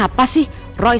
jadi mereka sudah berusaha